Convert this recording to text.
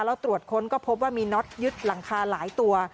แล้วตรวจค้นก็พบว่ามีน็อตยึดหลังคาหลายตัว